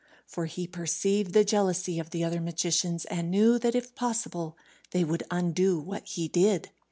For he perceived the jealousy of the other magicians, and knew that, if possible, they would undo what he did.